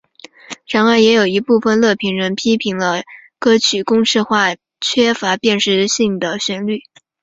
然而也有一部分乐评人批评了歌曲公式化缺乏辨识性的旋律。